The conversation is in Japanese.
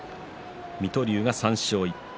水戸龍が３勝１敗